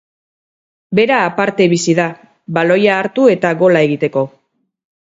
Bera aparte bizi da, baloia hartu eta gola egiteko.